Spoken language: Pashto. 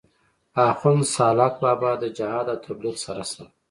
آخون سالاک بابا د جهاد او تبليغ سره سره